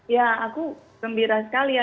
ya aku gembira sekali ya